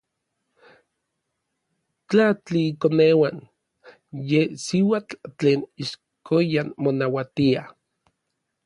Tla tiikoneuan yen siuatl tlen ixkoyan monauatia.